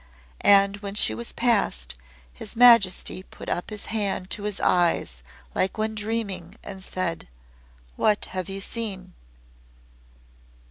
And when she was past, His Majesty put up his hand to his eyes, like one dreaming, and said; "What have you seen?"